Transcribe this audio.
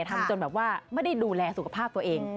ทำจนแบบว่าไม่ได้ดูแลสุขภาพตัวเอง